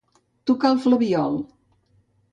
Tocar el flabiol.